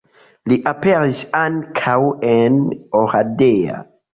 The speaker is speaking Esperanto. Li aperis ankaŭ en Oradea.